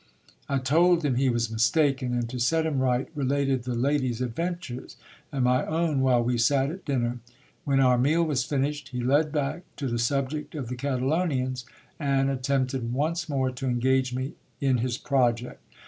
I told him he was mistaken ; and, to set him right, related the lady's adventures and my own while we sat at dinner. When our meal was finished he led back to the subject of the Catalonians, and attempted once more to engage me in his project.